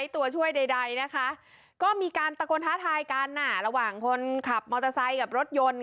ทีนี้เขากระโดดเข้าไปขวางหน้ารถในคลิปก็จะได้ยินเสียงผู้หญิงคอยห้ามบางบอกอย่าใจร้อนเสียง